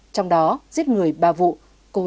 trong đó giết người ba vụ